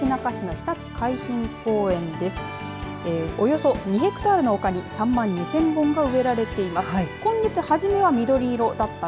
およそ２ヘクタールに丘に３万２０００本が植えられています。